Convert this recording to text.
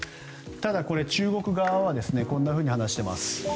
ただ、中国側はこんなふうに話しています。